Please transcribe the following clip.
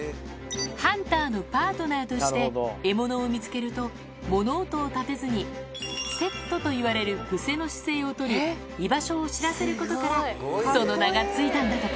ハンターのパートナーとして、獲物を見つけると物音を立てずにセットといわれる伏せの姿勢を取り、居場所を知らせることからその名が付いたんだとか。